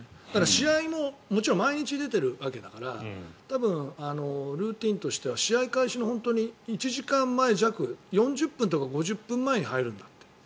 試合ももちろん毎日出ているわけだから多分、ルーチンとしては試合開始の１時間前弱４０分とか５０分前に入るんだって。